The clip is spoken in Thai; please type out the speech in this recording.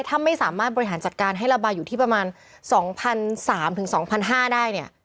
ถ้าไม่สามารถบริหารจัดการให้ระบายอยู่ที่ประมาณสองพันสามถึงสองพันห้าได้เนี่ย